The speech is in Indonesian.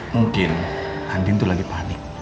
mungkin andi tuh lagi panik